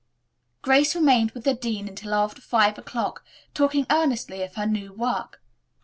Grace remained with the dean until after five o'clock talking earnestly of her new work.